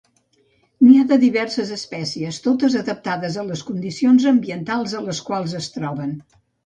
N'hi ha diverses espècies, totes adaptades a les condicions ambientals a les quals es troben.